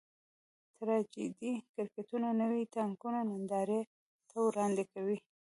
ټراجېډي کرکټرونه نوي ناټکونه نندارې ته وړاندې کوي.